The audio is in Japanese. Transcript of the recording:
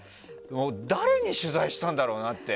誰に取材したんだろうなって。